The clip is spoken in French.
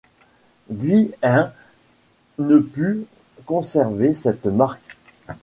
Guy Hain ne put conserver cette marque.